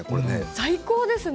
最高ですね